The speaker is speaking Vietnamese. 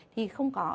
thì không có